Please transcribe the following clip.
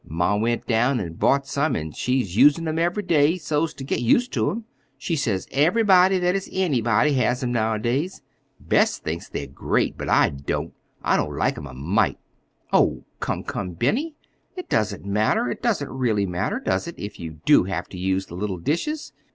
Ma went down an' bought some, an' she's usin' 'em every day, so's ter get used to 'em. She says everybody that is anybody has 'em nowadays. Bess thinks they're great, but I don't. I don't like 'em a mite." "Oh, come, come, Benny! It doesn't matter—it doesn't really matter, does it, if you do have to use the little dishes?